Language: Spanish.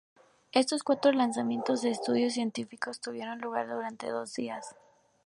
Estos cuatro lanzamientos de estudios científicos tuvieron lugar durante dos días.